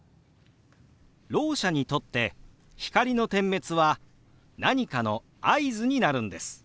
ろう者にとって光の点滅は何かの合図になるんです。